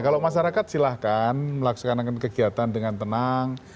kalau masyarakat silahkan melaksanakan kegiatan dengan tenang